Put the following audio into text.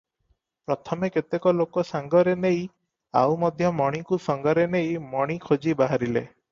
ପ୍ରଥମେ କେତେକ ଲୋକ ସାଙ୍ଗରେ ନେଇ ଆଉ ମଧ୍ୟ ମଣିକୁ ସଙ୍ଗରେ ନେଇ ମଣି ଖୋଜି ବାହାରିଲେ ।